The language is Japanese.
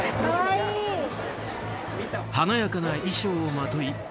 華やかな衣装をまとい